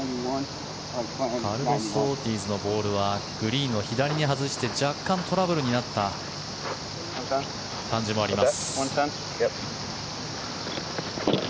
カルロス・オルティーズのボールはグリーンの左に外して若干トラブルになった感じもあります。